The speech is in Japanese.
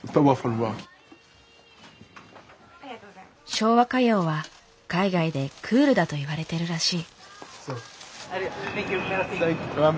昭和歌謡は海外でクールだといわれてるらしい。